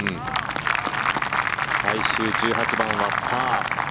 最終１８番はパー。